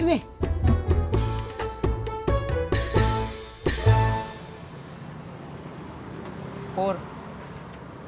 udah bea semak pasar dulu